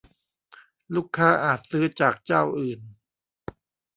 ลูกค้าอาจซื้อจากเจ้าอื่น